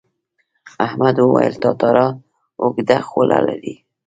احمد وویل تتارا اوږده خوله لري.